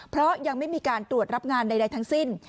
เพราะยังไม่มีการตรวจรับงานใดทั้งสิ้น